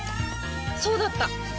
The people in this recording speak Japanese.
そうだった！